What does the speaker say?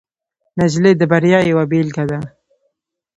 نجلۍ د بریا یوه بیلګه ده.